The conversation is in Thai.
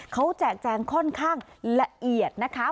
เขาแจกแจงค่อนข้างละเอียดนะคะ